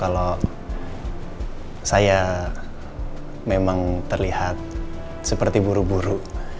kalau saya memang terlihat seperti buru buru